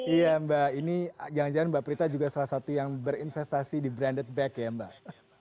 iya mbak ini jangan jangan mbak prita juga salah satu yang berinvestasi di branded back ya mbak